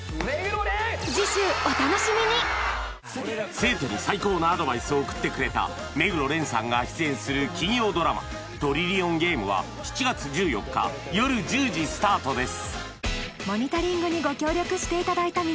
生徒に最高のアドバイスを送ってくれた目黒蓮さんが出演する金曜ドラマ「トリリオンゲーム」は７月１４日よる１０時スタートです！